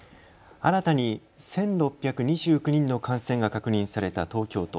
新たに１６２９人の感染が確認された東京都。